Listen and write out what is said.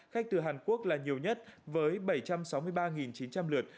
khách từ hàn quốc là nhiều nhất với bảy trăm sáu mươi ba chín trăm linh lượt